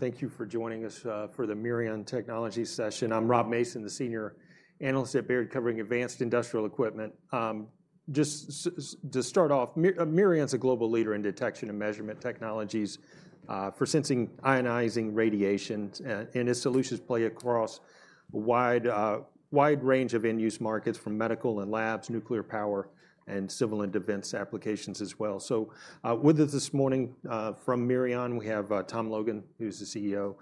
Thank you for joining us for the Mirion Technologies session. I'm Rob Mason, the senior analyst at Baird, covering advanced industrial equipment. Just to start off, Mirion's a global leader in detection and measurement technologies for sensing ionizing radiation, and its solutions play across a wide range of end-use markets, from medical and labs, nuclear power, and civil and defense applications as well. So, with us this morning from Mirion, we have Tom Logan, who's the CEO,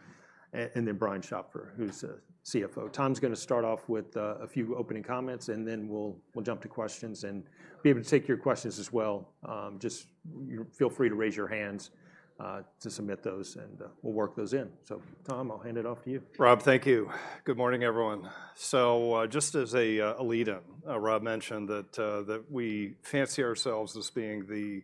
and then Brian Schopfer, who's the CFO. Tom's gonna start off with a few opening comments, and then we'll jump to questions and be able to take your questions as well. Just feel free to raise your hands to submit those, and we'll work those in. So Tom, I'll hand it off to you. Rob, thank you. Good morning, everyone. So, just as a lead-in, Rob mentioned that we fancy ourselves as being the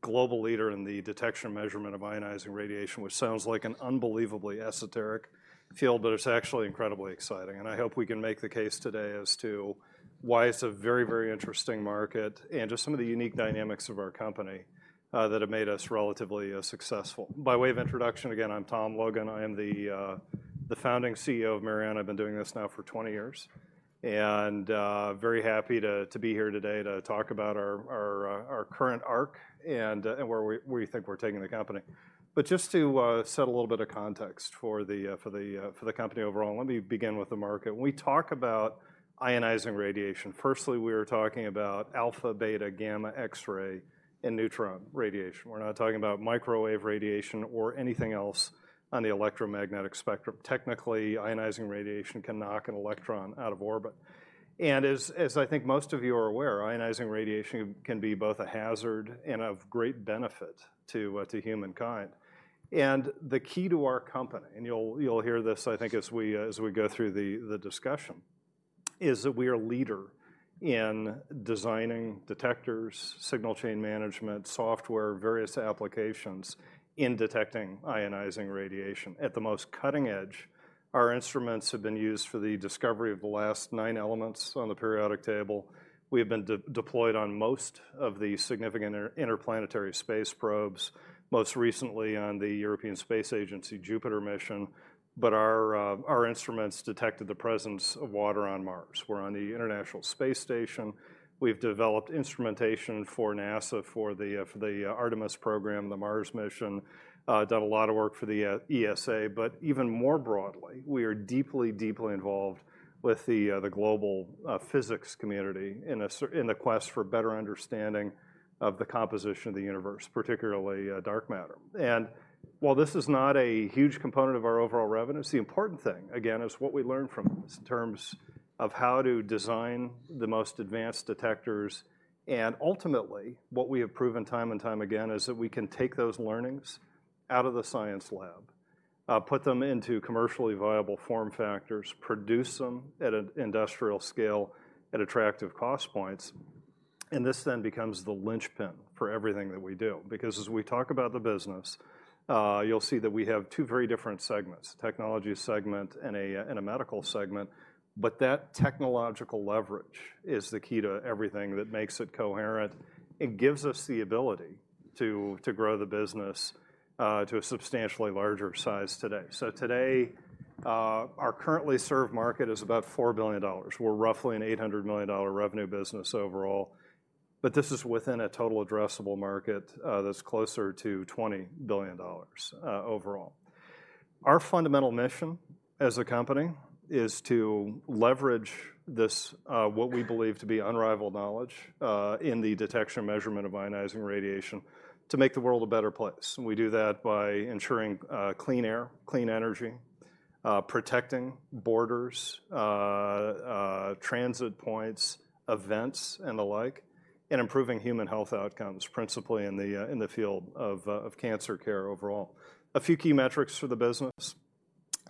global leader in the detection and measurement of ionizing radiation, which sounds like an unbelievably esoteric field, but it's actually incredibly exciting. I hope we can make the case today as to why it's a very, very interesting market and just some of the unique dynamics of our company that have made us relatively successful. By way of introduction, again, I'm Tom Logan. I am the founding CEO of Mirion. I've been doing this now for 20 years, and very happy to be here today to talk about our current arc and where we think we're taking the company. But just to set a little bit of context for the company overall, let me begin with the market. When we talk about ionizing radiation, firstly, we are talking about alpha, beta, gamma, X-ray, and neutron radiation. We're not talking about microwave radiation or anything else on the electromagnetic spectrum. Technically, ionizing radiation can knock an electron out of orbit. And as I think most of you are aware, ionizing radiation can be both a hazard and of great benefit to humankind. And the key to our company, and you'll hear this, I think, as we go through the discussion, is that we are a leader in designing detectors, signal chain management, software, various applications in detecting ionizing radiation. At the most cutting edge, our instruments have been used for the discovery of the last 9 elements on the periodic table. We have been deployed on most of the significant interplanetary space probes, most recently on the European Space Agency Jupiter mission. But our instruments detected the presence of water on Mars. We're on the International Space Station. We've developed instrumentation for NASA, for the Artemis program, the Mars mission, done a lot of work for the ESA. But even more broadly, we are deeply, deeply involved with the global physics community in the quest for better understanding of the composition of the universe, particularly dark matter. While this is not a huge component of our overall revenue, it's the important thing, again, is what we learn from this in terms of how to design the most advanced detectors. Ultimately, what we have proven time and time again is that we can take those learnings out of the science lab, put them into commercially viable form factors, produce them at an industrial scale at attractive cost points, and this then becomes the linchpin for everything that we do. Because as we talk about the business, you'll see that we have two very different segments: technology segment and a medical segment. That technological leverage is the key to everything that makes it coherent and gives us the ability to grow the business to a substantially larger size today. So today, our currently served market is about $4 billion. We're roughly an $800 million revenue business overall, but this is within a total addressable market that's closer to $20 billion overall. Our fundamental mission as a company is to leverage this, what we believe to be unrivaled knowledge, in the detection and measurement of ionizing radiation, to make the world a better place. And we do that by ensuring, clean air, clean energy, protecting borders, transit points, events, and the like, and improving human health outcomes, principally in the field of cancer care overall. A few key metrics for the business.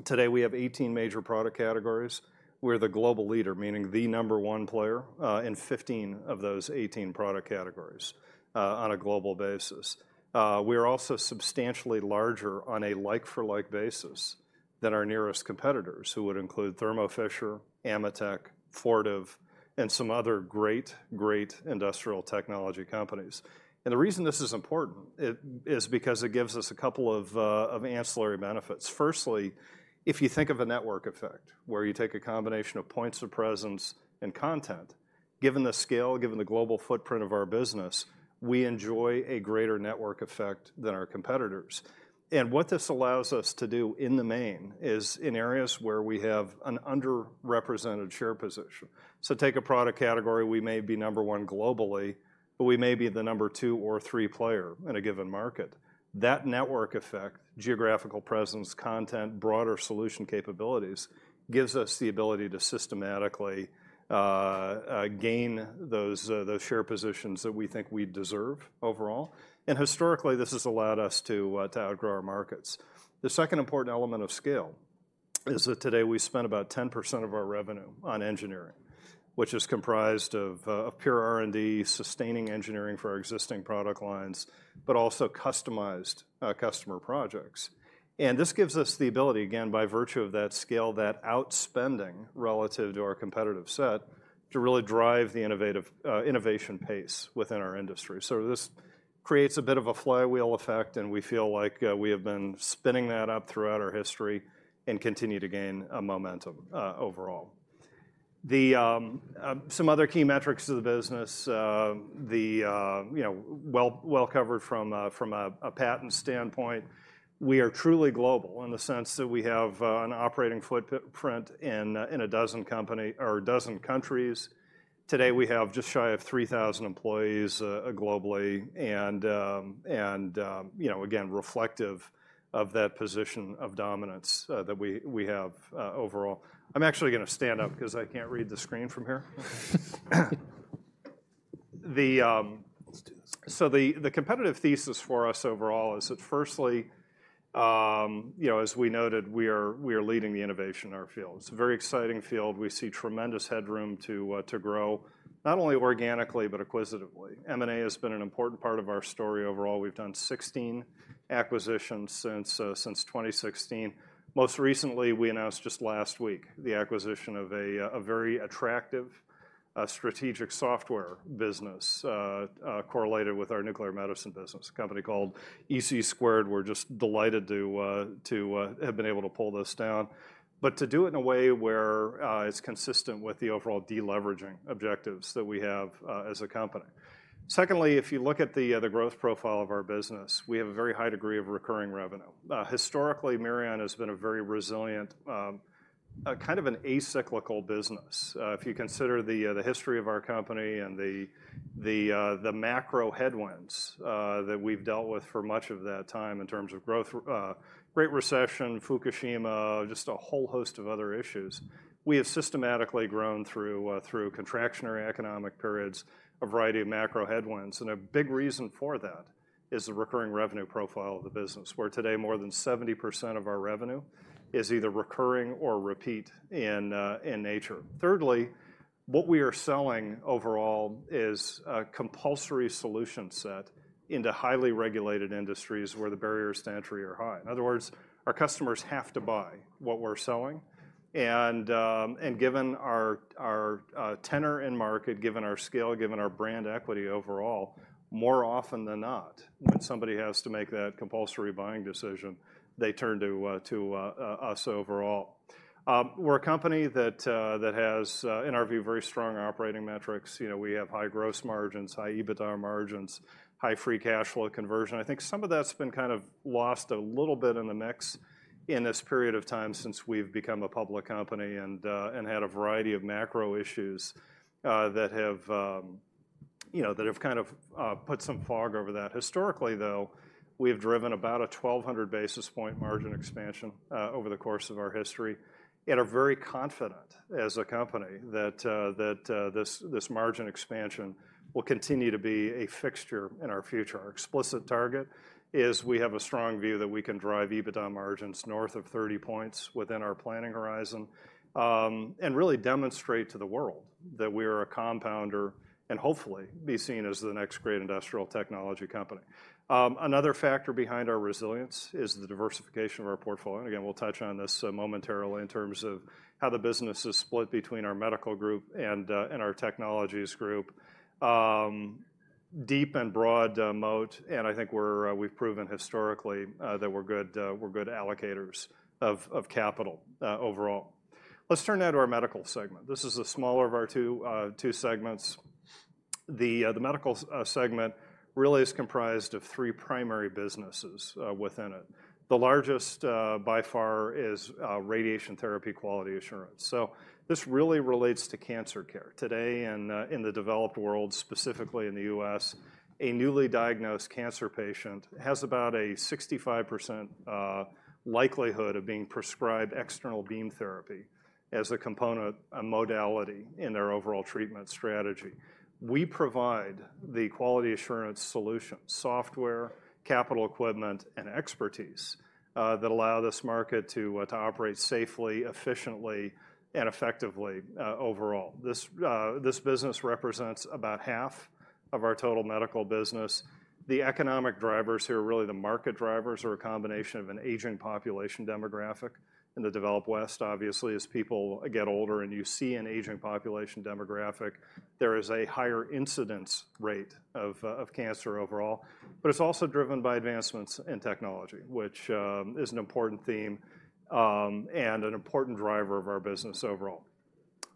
Today, we have 18 major product categories. We're the global leader, meaning the number one player, in 15 of those 18 product categories, on a global basis. We are also substantially larger on a like-for-like basis than our nearest competitors, who would include Thermo Fisher, Ametek, Fortive, and some other great, great industrial technology companies. The reason this is important is, is because it gives us a couple of, of ancillary benefits. Firstly, if you think of a network effect, where you take a combination of points of presence and content, given the scale, given the global footprint of our business, we enjoy a greater network effect than our competitors. What this allows us to do, in the main, is in areas where we have an underrepresented share position. So take a product category, we may be number one globally, but we may be the number two or three player in a given market. That network effect, geographical presence, content, broader solution capabilities, gives us the ability to systematically gain those, those share positions that we think we deserve overall. And historically, this has allowed us to to outgrow our markets. The second important element of scale is that today we spend about 10% of our revenue on engineering, which is comprised of of pure R&D, sustaining engineering for our existing product lines, but also customized customer projects. And this gives us the ability, again, by virtue of that scale, that outspending relative to our competitive set, to really drive the innovative innovation pace within our industry. So this creates a bit of a flywheel effect, and we feel like we have been spinning that up throughout our history and continue to gain a momentum overall. Some other key metrics of the business, you know, well, well-covered from a patent standpoint, we are truly global in the sense that we have an operating footprint in a dozen countries. Today, we have just shy of 3,000 employees globally, and, you know, again, reflective of that position of dominance that we have overall. I'm actually gonna stand up 'cause I can't read the screen from here. The- Let's do this. The competitive thesis for us overall is that firstly, you know, as we noted, we are leading the innovation in our field. It's a very exciting field. We see tremendous headroom to grow, not only organically but acquisitively. M&A has been an important part of our story overall. We've done 16 acquisitions since 2016. Most recently, we announced just last week, the acquisition of a very attractive strategic software business correlated with our nuclear medicine business, a company called EC2. We're just delighted to have been able to pull this down, but to do it in a way where it's consistent with the overall de-leveraging objectives that we have as a company. Secondly, if you look at the growth profile of our business, we have a very high degree of recurring revenue. Historically, Mirion has been a very resilient kind of an acyclical business. If you consider the history of our company and the macro headwinds that we've dealt with for much of that time in terms of growth, Great Recession, Fukushima, just a whole host of other issues, we have systematically grown through contractionary economic periods, a variety of macro headwinds. And a big reason for that is the recurring revenue profile of the business, where today more than 70% of our revenue is either recurring or repeat in nature. Thirdly, what we are selling overall is a compulsory solution set into highly regulated industries where the barriers to entry are high. In other words, our customers have to buy what we're selling, and given our tenure in market, given our scale, given our brand equity overall, more often than not, when somebody has to make that compulsory buying decision, they turn to us overall. We're a company that has, in our view, very strong operating metrics. You know, we have high gross margins, high EBITDA margins, high free cash flow conversion. I think some of that's been kind of lost a little bit in the mix in this period of time since we've become a public company and had a variety of macro issues that have you know kind of put some fog over that. Historically, though, we have driven about a 1,200 basis point margin expansion over the course of our history and are very confident as a company that this margin expansion will continue to be a fixture in our future. Our explicit target is we have a strong view that we can drive EBITDA margins north of 30 points within our planning horizon, and really demonstrate to the world that we are a compounder and hopefully be seen as the next great industrial technology company. Another factor behind our resilience is the diversification of our portfolio. Again, we'll touch on this momentarily in terms of how the business is split between our medical group and our technologies group. Deep and broad moat, and I think we've proven historically that we're good allocators of capital overall. Let's turn now to our medical segment. This is the smaller of our two segments. The medical segment really is comprised of three primary businesses within it. The largest by far is radiation therapy quality assurance. So this really relates to cancer care. Today, in the developed world, specifically in the US, a newly diagnosed cancer patient has about a 65% likelihood of being prescribed external beam therapy as a component, a modality in their overall treatment strategy. We provide the quality assurance solution, software, capital equipment, and expertise that allow this market to operate safely, efficiently, and effectively overall. This business represents about half of our total medical business. The economic drivers here, really the market drivers, are a combination of an aging population demographic in the developed West. Obviously, as people get older and you see an aging population demographic, there is a higher incidence rate of cancer overall. But it's also driven by advancements in technology, which is an important theme, and an important driver of our business overall.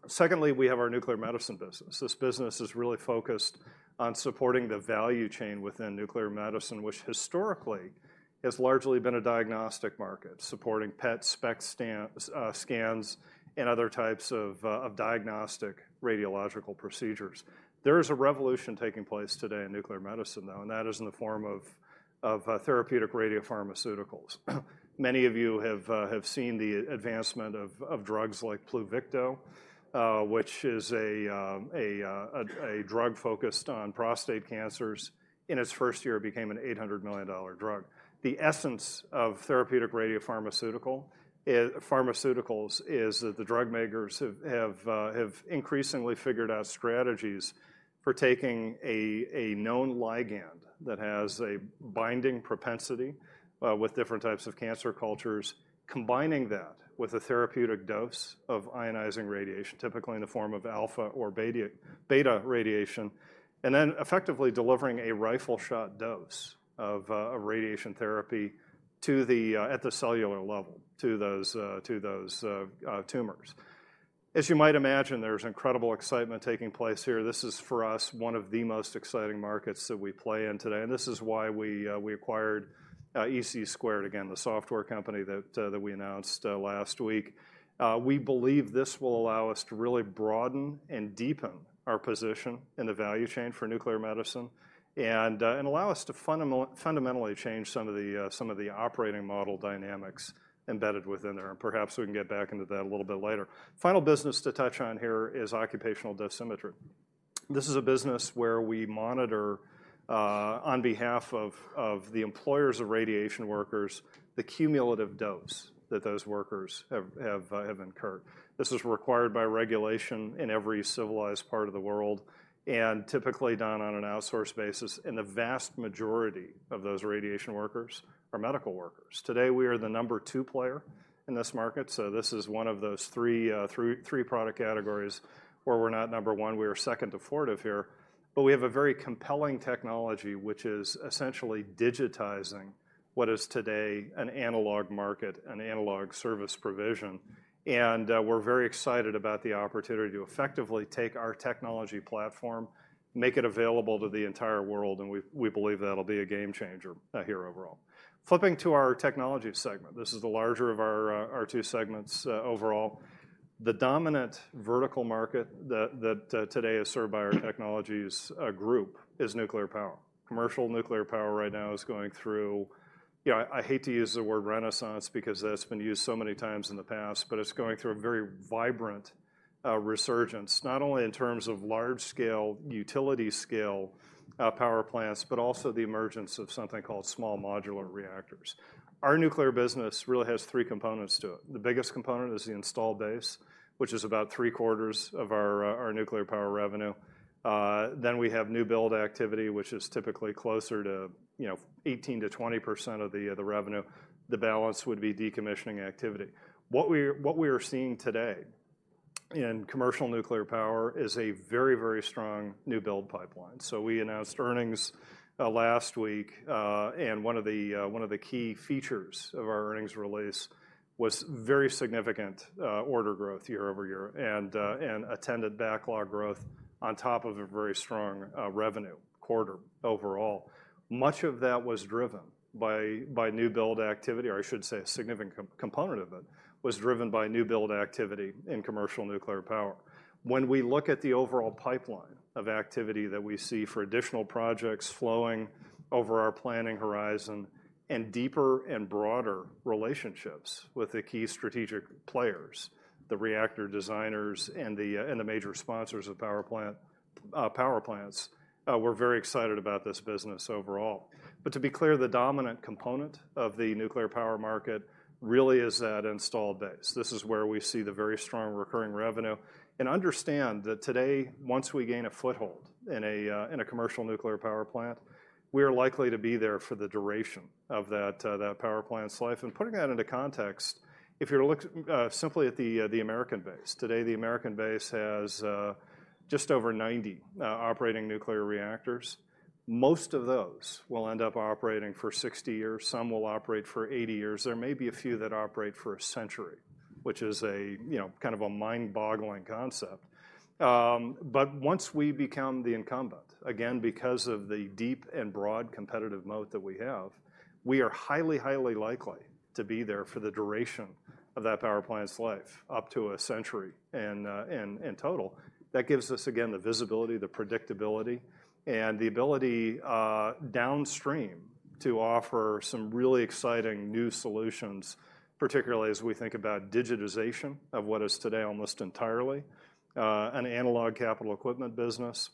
Secondly, we have our nuclear medicine business. This business is really focused on supporting the value chain within nuclear medicine, which historically has largely been a diagnostic market, supporting PET, SPECT scans, and other types of diagnostic radiological procedures. There is a revolution taking place today in nuclear medicine, though, and that is in the form of therapeutic radiopharmaceuticals. Many of you have seen the advancement of drugs like Pluvicto, which is a drug focused on prostate cancers. In its first year, it became an $800 million drug. The essence of therapeutic radiopharmaceuticals is that the drug makers have increasingly figured out strategies for taking a known ligand that has a binding propensity with different types of cancer cultures, combining that with a therapeutic dose of ionizing radiation, typically in the form of alpha or beta radiation, and then effectively delivering a rifle shot dose of radiation therapy at the cellular level to those tumors. As you might imagine, there's incredible excitement taking place here. This is, for us, one of the most exciting markets that we play in today, and this is why we acquired EC2, again, the software company that we announced last week. We believe this will allow us to really broaden and deepen our position in the value chain for nuclear medicine and allow us to fundamentally change some of the operating model dynamics embedded within there, and perhaps we can get back into that a little bit later. Final business to touch on here is occupational dosimetry. This is a business where we monitor, on behalf of the employers of radiation workers, the cumulative dose that those workers have incurred. This is required by regulation in every civilized part of the world, and typically done on an outsource basis, and the vast majority of those radiation workers are medical workers. Today, we are the number 2 player in this market, so this is one of those 3, 3, 3 product categories where we're not number 1, we are second to Fortive here. But we have a very compelling technology, which is essentially digitizing what is today an analog market, an analog service provision. And, we're very excited about the opportunity to effectively take our technology platform, make it available to the entire world, and we, we believe that'll be a game changer, here overall. Flipping to our technology segment, this is the larger of our, our 2 segments, overall. The dominant vertical market that today is served by our technologies group is nuclear power. Commercial nuclear power right now is going through... Yeah, I hate to use the word renaissance because that's been used so many times in the past, but it's going through a very vibrant resurgence, not only in terms of large-scale, utility-scale power plants, but also the emergence of something called small modular reactors. Our nuclear business really has three components to it. The biggest component is the installed base, which is about three-quarters of our nuclear power revenue. Then we have new build activity, which is typically closer to, you know, 18%-20% of the revenue. The balance would be decommissioning activity. What we are seeing today in commercial nuclear power is a very, very strong new build pipeline. So we announced earnings last week, and one of the key features of our earnings release was very significant order growth year over year and attended backlog growth on top of a very strong revenue quarter overall. Much of that was driven by new build activity, or I should say a significant component of it, was driven by new build activity in commercial nuclear power. When we look at the overall pipeline of activity that we see for additional projects flowing over our planning horizon and deeper and broader relationships with the key strategic players, the reactor designers and the major sponsors of power plants, we're very excited about this business overall. But to be clear, the dominant component of the nuclear power market really is that installed base. This is where we see the very strong recurring revenue. Understand that today, once we gain a foothold in a commercial nuclear power plant, we are likely to be there for the duration of that power plant's life. Putting that into context, if you're simply at the American base, today, the American base has just over 90 operating nuclear reactors. Most of those will end up operating for 60 years. Some will operate for 80 years. There may be a few that operate for a century, which is a, you know, kind of a mind-boggling concept. But once we become the incumbent, again, because of the deep and broad competitive moat that we have, we are highly, highly likely to be there for the duration of that power plant's life, up to a century in total. That gives us, again, the visibility, the predictability, and the ability, downstream to offer some really exciting new solutions, particularly as we think about digitization of what is today almost entirely, an analog capital equipment business,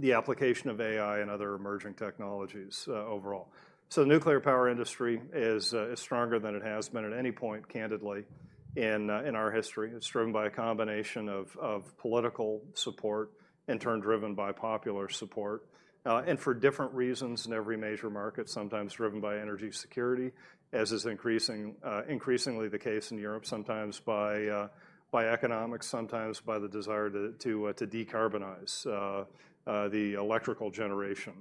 the application of AI and other emerging technologies, overall. So the nuclear power industry is stronger than it has been at any point, candidly, in our history. It's driven by a combination of political support, in turn, driven by popular support, and for different reasons in every major market, sometimes driven by energy security, as is increasingly the case in Europe, sometimes by economics, sometimes by the desire to decarbonize the electrical generation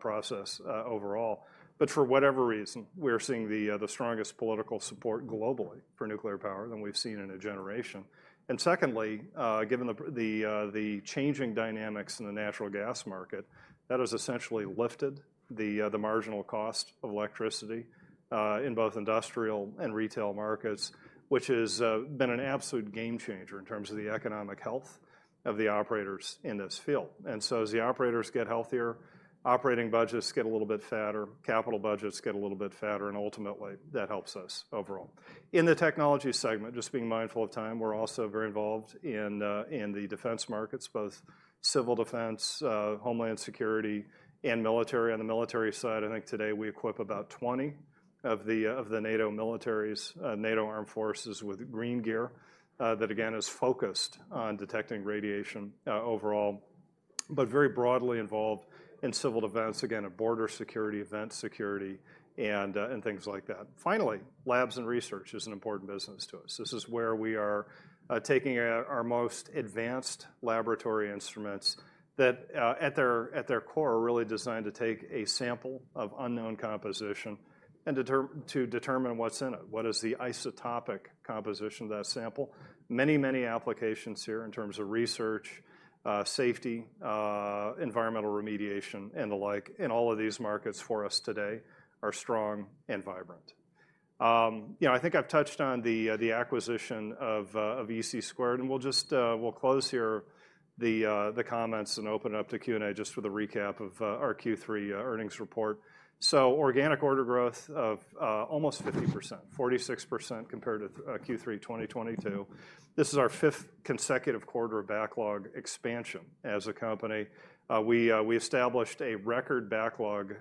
process overall. But for whatever reason, we're seeing the strongest political support globally for nuclear power than we've seen in a generation. And secondly, given the changing dynamics in the natural gas market, that has essentially lifted the marginal cost of electricity in both industrial and retail markets, which has been an absolute game changer in terms of the economic health of the operators in this field. And so as the operators get healthier, operating budgets get a little bit fatter, capital budgets get a little bit fatter, and ultimately, that helps us overall. In the technology segment, just being mindful of time, we're also very involved in the defense markets, both civil defense, homeland security, and military. On the military side, I think today we equip about 20 of the NATO militaries, NATO armed forces with green gear, that again, is focused on detecting radiation, overall, but very broadly involved in civil defense, again, a border security, event security, and things like that. Finally, labs and research is an important business to us. This is where we are taking our most advanced laboratory instruments that at their core are really designed to take a sample of unknown composition and determine what's in it. What is the isotopic composition of that sample? Many, many applications here in terms of research, safety, environmental remediation, and the like, in all of these markets for us today are strong and vibrant. You know, I think I've touched on the acquisition of EC2, and we'll just close here the comments and open it up to Q&A just for the recap of our Q3 earnings report. So organic order growth of almost 50%, 46% compared to Q3 2022. This is our fifth consecutive quarter of backlog expansion as a company. We established a record backlog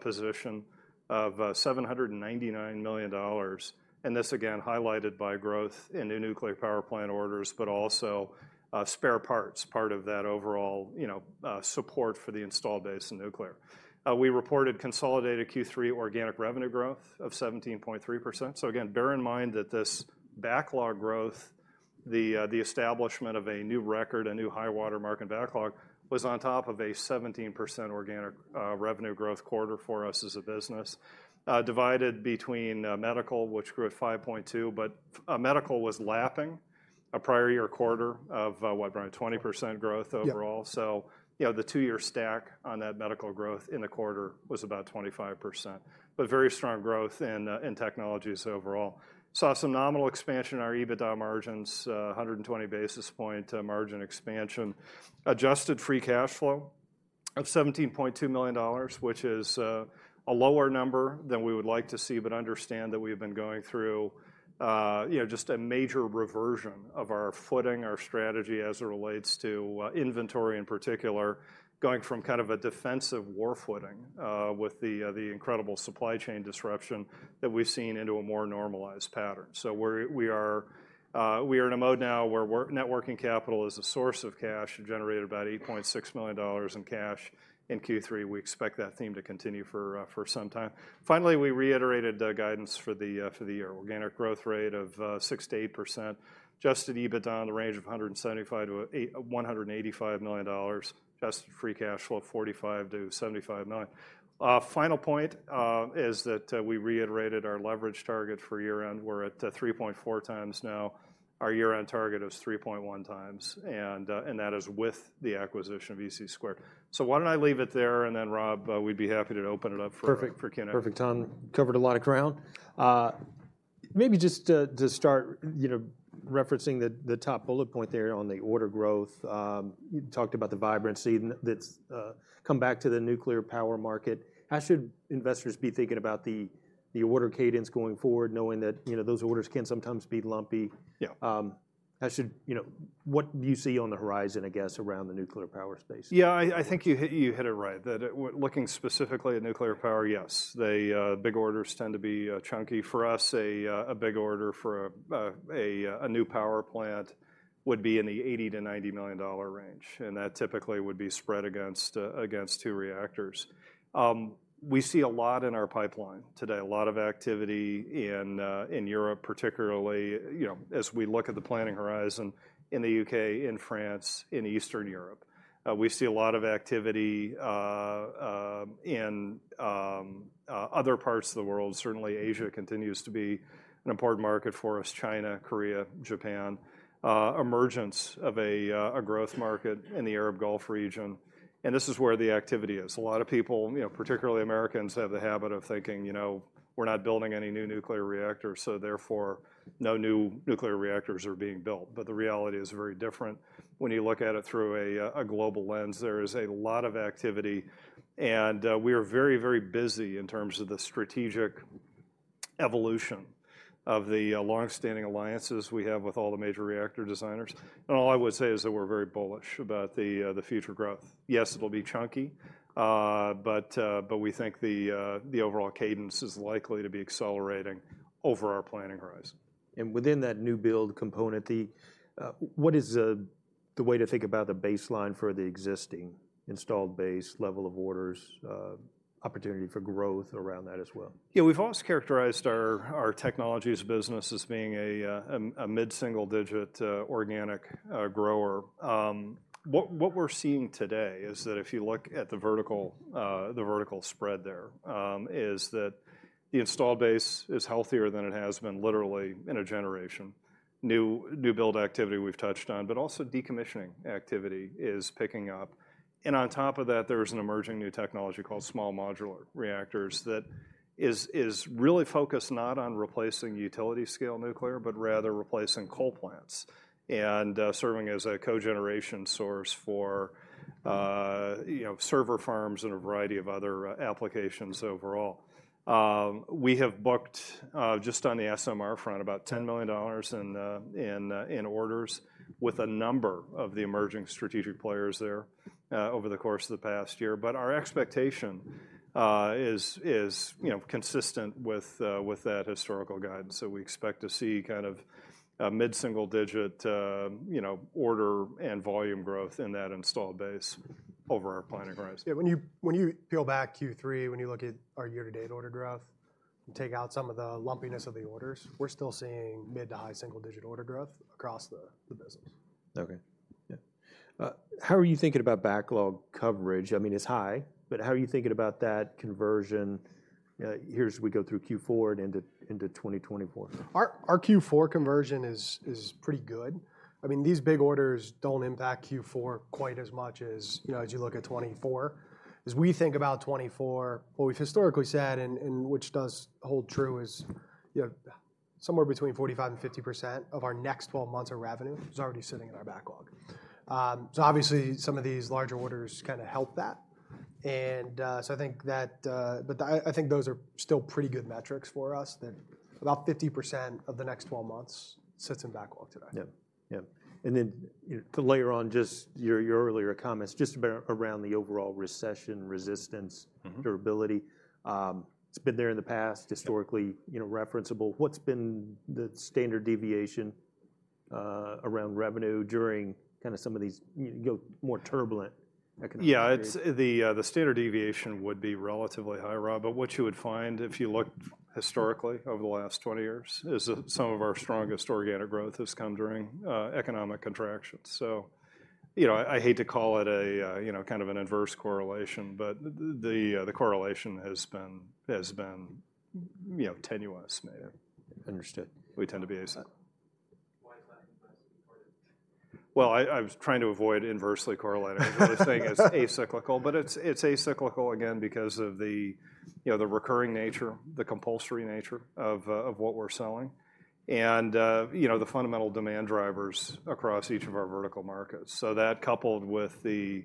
position of $799 million, and this, again, highlighted by growth in new nuclear power plant orders, but also, spare parts, part of that overall, you know, support for the installed base in nuclear. We reported consolidated Q3 organic revenue growth of 17.3%. So again, bear in mind that this backlog growth, the establishment of a new record, a new high water mark in backlog, was on top of a 17% organic revenue growth quarter for us as a business. Divided between medical, which grew at 5.2%, but medical was lapping a prior year quarter of around 20% growth overall? Yeah. So, you know, the two-year stack on that medical growth in the quarter was about 25%, but very strong growth in in technologies overall. Saw some nominal expansion in our EBITDA margins, 120 basis point margin expansion. Adjusted free cash flow of $17.2 million, which is a lower number than we would like to see, but understand that we've been going through, you know, just a major reversion of our footing, our strategy as it relates to inventory in particular, going from kind of a defensive war footing with the incredible supply chain disruption that we've seen into a more normalized pattern. So we are in a mode now where working capital is a source of cash and generated about $8.6 million in cash in Q3. We expect that theme to continue for some time. Finally, we reiterated guidance for the year. Organic growth rate of 6%-8%. Adjusted EBITDA in the range of $175 million-$185 million. Adjusted free cash flow, $45 million-$75 million. Final point is that we reiterated our leverage target for year-end. We're at 3.4x now. Our year-end target is 3.1x, and that is with the acquisition of EC2 Squared. So why don't I leave it there, and then, Rob, we'd be happy to open it up for- Perfect -for Q&A. Perfect timing. Covered a lot of ground. Maybe just to start, you know, referencing the top bullet point there on the order growth, you talked about the vibrancy that's come back to the nuclear power market. How should investors be thinking about the order cadence going forward, knowing that, you know, those orders can sometimes be lumpy? Yeah. How should... You know, what do you see on the horizon, I guess, around the nuclear power space? Yeah, I think you hit it right, that looking specifically at nuclear power, yes, big orders tend to be chunky. For us, a big order for a new power plant would be in the $80-$90 million range, and that typically would be spread against two reactors. We see a lot in our pipeline today, a lot of activity in Europe, particularly, you know, as we look at the planning horizon in the UK, in France, in Eastern Europe. We see a lot of activity in other parts of the world. Certainly, Asia continues to be an important market for us, China, Korea, Japan. Emergence of a growth market in the Arab Gulf region, and this is where the activity is. A lot of people, you know, particularly Americans, have the habit of thinking, you know, we're not building any new nuclear reactors, so therefore, no new nuclear reactors are being built. But the reality is very different when you look at it through a global lens. There is a lot of activity, and we are very, very busy in terms of the strategic evolution of the longstanding alliances we have with all the major reactor designers. And all I would say is that we're very bullish about the future growth. Yes, it'll be chunky, but we think the overall cadence is likely to be accelerating over our planning horizon. Within that new build component, what is the way to think about the baseline for the existing installed base, level of orders, opportunity for growth around that as well? Yeah, we've always characterized our technologies business as being a mid-single-digit organic grower. What we're seeing today is that if you look at the vertical, the vertical spread there, is that the installed base is healthier than it has been literally in a generation. New build activity we've touched on, but also decommissioning activity is picking up, and on top of that, there is an emerging new technology called small modular reactors that is really focused not on replacing utility-scale nuclear, but rather replacing coal plants and serving as a cogeneration source for you know, server farms and a variety of other applications overall. We have booked just on the SMR front, about $10 million in orders with a number of the emerging strategic players there over the course of the past year. But our expectation is, you know, consistent with that historical guidance. So we expect to see kind of a mid-single-digit, you know, order and volume growth in that installed base over our planning horizon. Yeah, when you, when you peel back Q3, when you look at our year-to-date order growth and take out some of the lumpiness of the orders, we're still seeing mid to high single-digit order growth across the, the business. Okay. Yeah. How are you thinking about backlog coverage? I mean, it's high, but how are you thinking about that conversion, here as we go through Q4 and into 2024? Our Q4 conversion is pretty good. I mean, these big orders don't impact Q4 quite as much as, you know, as you look at 2024. As we think about 2024, what we've historically said, and which does hold true, is, you know-... somewhere between 45%-50% of our next twelve months of revenue is already sitting in our backlog. So obviously, some of these larger orders kinda help that. So I think that, but I think those are still pretty good metrics for us, that about 50% of the next twelve months sits in backlog today. Yeah. Yeah, and then, you know, to layer on just your, your earlier comments, just around, around the overall recession resistance- -durability. It's been there in the past, historically- Yeah -you know, referenceable. What's been the standard deviation around revenue during kinda some of these, you know, more turbulent economic periods? Yeah, it's the standard deviation would be relatively high, Rob. But what you would find if you looked historically over the last 20 years, is that some of our strongest organic growth has come during economic contractions. So, you know, I hate to call it a you know, kind of an adverse correlation, but the correlation has been, you know, tenuous, maybe. Understood. We tend to be acyclical. Why is that inversely correlated? Well, I was trying to avoid inversely correlating—but just saying it's acyclical. But it's acyclical, again, because of the, you know, the recurring nature, the compulsory nature of what we're selling. And you know, the fundamental demand drivers across each of our vertical markets. So that, coupled with the, you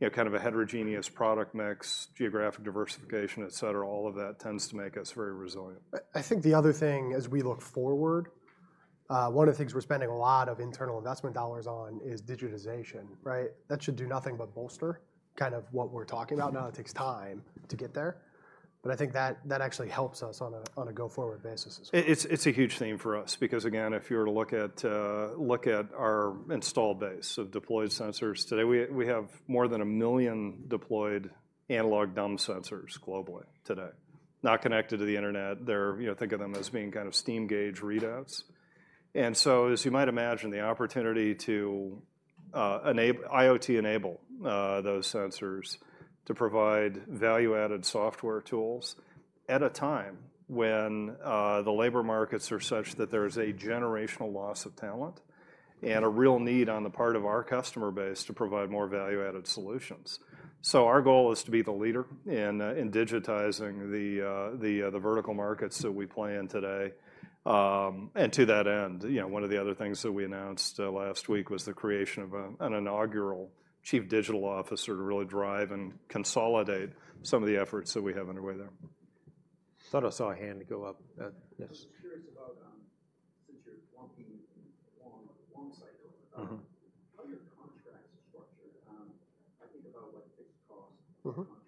know, kind of a heterogeneous product mix, geographic diversification, et cetera, all of that tends to make us very resilient. I think the other thing, as we look forward, one of the things we're spending a lot of internal investment dollars on is digitization, right? That should do nothing but bolster kind of what we're talking about now. It takes time to get there, but I think that actually helps us on a go-forward basis as well. It's a huge theme for us because, again, if you were to look at our install base of deployed sensors today, we have more than 1 million deployed analog dumb sensors globally today. Not connected to the internet. They're... You know, think of them as being kind of steam gauge readouts. And so, as you might imagine, the opportunity to enable, IoT enable, those sensors to provide value-added software tools at a time when the labor markets are such that there's a generational loss of talent and a real need on the part of our customer base to provide more value-added solutions. So our goal is to be the leader in digitizing the vertical markets that we play in today. And to that end, you know, one of the other things that we announced last week was the creation of an inaugural Chief Digital Officer to really drive and consolidate some of the efforts that we have underway there. Thought I saw a hand go up. Yes. I was curious about, since you're lumping long cycle- How are your contracts structured? I think about, like, fixed cost- -contracts, get in trouble. How are you guys structuring your contracts?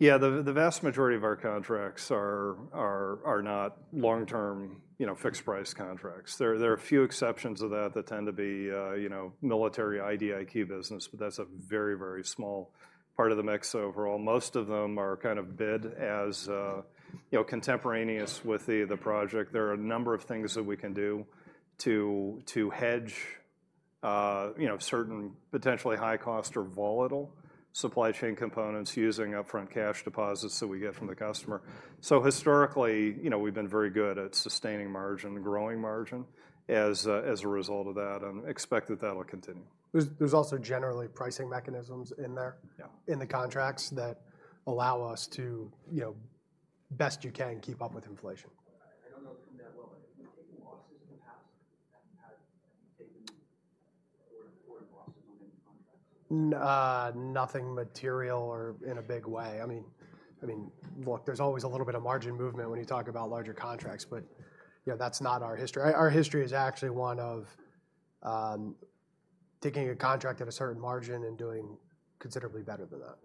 Yeah, the vast majority of our contracts are not long-term, you know, fixed-price contracts. There are a few exceptions to that that tend to be, you know, military IDIQ business, but that's a very, very small part of the mix overall. Most of them are kind of bid as, you know, contemporaneous with the project. There are a number of things that we can do to hedge, you know, certain potentially high-cost or volatile supply chain components using upfront cash deposits that we get from the customer. So historically, you know, we've been very good at sustaining margin, growing margin, as a result of that, and expect that that will continue. There's also generally pricing mechanisms in there- Yeah... in the contracts that allow us to, you know, best you can, keep up with inflation. I don't know the company well, but have you taken losses in the past? Have you taken losses on any contracts? Nothing material or in a big way. I mean, look, there's always a little bit of margin movement when you talk about larger contracts, but, you know, that's not our history. Our history is actually one of taking a contract at a certain margin and doing considerably better than that.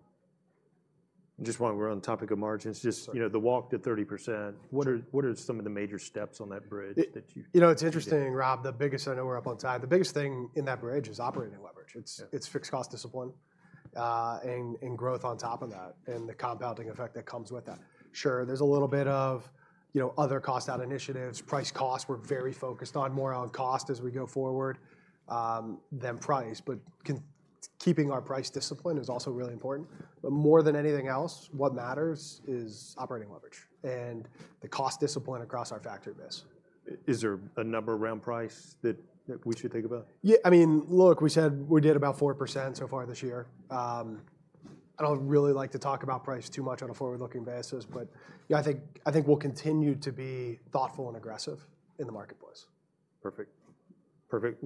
Just while we're on the topic of margins, just- Sure... you know, the walk to 30%- Sure What are some of the major steps on that bridge that you- It, you know, it's interesting, Rob. The biggest... I know we're up on time. The biggest thing in that bridge is operating leverage. Yeah. It's fixed cost discipline, and growth on top of that, and the compounding effect that comes with that. Sure, there's a little bit of, you know, other cost-out initiatives. Price, cost, we're very focused on more on cost as we go forward, than price, but keeping our price discipline is also really important. But more than anything else, what matters is operating leverage and the cost discipline across our factor base. Is there a number around price that we should think about? Yeah, I mean, look, we said we did about 4% so far this year. I don't really like to talk about price too much on a forward-looking basis, but yeah, I think, I think we'll continue to be thoughtful and aggressive in the marketplace. Perfect. Perfect.